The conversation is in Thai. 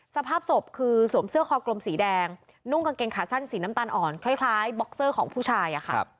สภาพศพคือสวมเสื้อคอกลมสีแดงนุ่งกางเกงขาสั้นสีน้ำตาลอ่อนคล้ายบ็อกเซอร์ของผู้ชายอะค่ะ